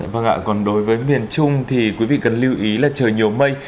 vâng ạ còn đối với miền trung thì quý vị cần lưu ý là trời nhiều mây